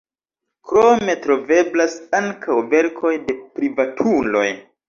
Krome troveblas ankaŭ verkoj de privatuloj.